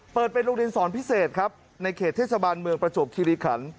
เปิดเป็นโรงเรียนสอนพิเศษครับในเขตเทศบาลเมืองประจวบคิริขัน